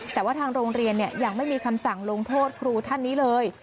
แต่ว่าทางโรงเรียนยังไม่มีคำสั่งลงโทษครูท่านนี้เลย